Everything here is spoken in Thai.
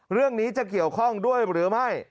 เรื่องนี้จะเกี่ยวข้องด้วยหรือไม่